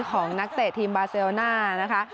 ของนักเตะทีมบาเซลน่า